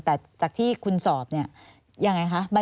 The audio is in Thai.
แล้วมันก็สุ่มเสี่ยงพอสมควร